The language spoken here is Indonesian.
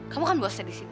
kamu kan bosnya di sini